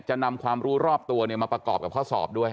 นำความรู้รอบตัวมาประกอบกับข้อสอบด้วย